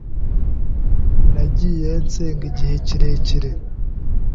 Nagiye nsenga igihe kirekire